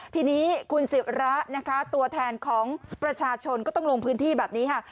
ทีนี้คุณศิระนะคะตัวแทนของประชาชนก็ต้องลงพื้นที่แบบนี้ค่ะ